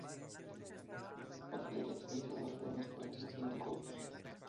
Aunque el acceso a algunas canchas tiene costo.